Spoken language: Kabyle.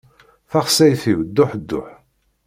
Taxsayt-iw duḥ duḥ.